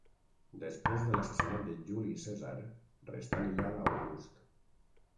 Després de l'assassinat de Juli Cèsar restà lleial a August.